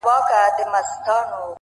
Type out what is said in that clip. پاڼي له ونې څخه رېږدي.